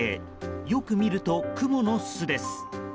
よく見ると、クモの巣です。